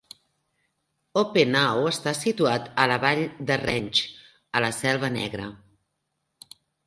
Oppenau està situat a la vall de Rench, a la Selva Negra.